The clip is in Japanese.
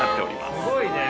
◆すごいね。